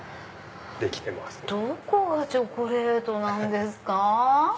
どこがチョコレートなんですか？